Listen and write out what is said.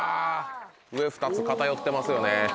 上２つ偏ってますよね。